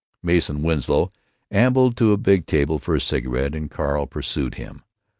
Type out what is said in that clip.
Mason Winslow ambled to the big table for a cigarette, and Carl pursued him.